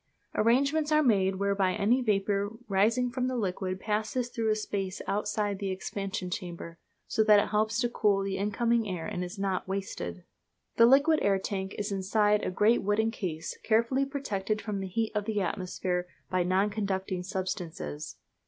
Arrangements are made whereby any vapour rising from the liquid passes through a space outside the expansion chambers, so that it helps to cool the incoming air and is not wasted. The liquid air tank is inside a great wooden case, carefully protected from the heat of the atmosphere by non conducting substances.